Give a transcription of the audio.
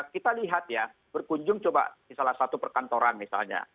kita lihat ya berkunjung coba di salah satu perkantoran misalnya